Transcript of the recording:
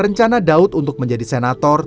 rencana daud untuk menjadi senator